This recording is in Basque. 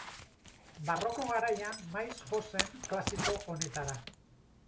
Barroko garaian maiz jo zen klasiko honetara.